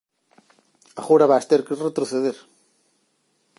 Agora vas ter que retroceder.